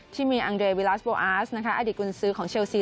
ที่มีอังเดรียวิลาสโบอสอดิกุลซื้อของเชลสี